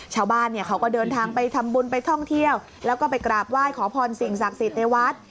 ชาวบ้านเนี่ยเขาก็เดินทางไปทำบุญไปท่องเที่ยวแล้วก็ไปกราบไหว้ขอพรสิ่งศักดิ์สิทธิ์ในวัด